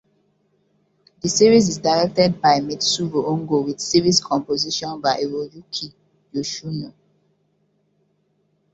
The series is directed by Mitsuru Hongo with series composition by Hiroyuki Yoshino.